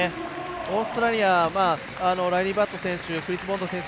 オーストラリアライリー・バット選手クリス・ボンド選手